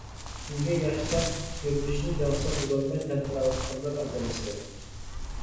كىمگە ياخشىچاق كۆرۈنۈشنى دەڭسەپ بولالماي تەمتىرەۋاتقانلار ئاز ئەمەستەك.